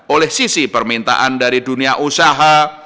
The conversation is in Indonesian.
oleh sisi permintaan dari dunia usaha